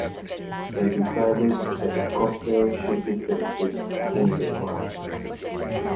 They decided that a cocktail should be created in their honor.